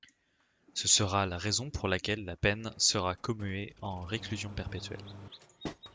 Ce sera la raison pour laquelle la peine sera commuée en réclusion perpétuelle.